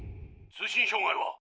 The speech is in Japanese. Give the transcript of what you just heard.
通信障害は？